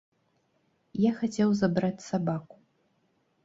Я хацеў забраць сабаку.